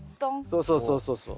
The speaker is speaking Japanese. そうそうそうそうそう。